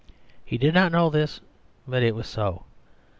He did not know this, but it was so.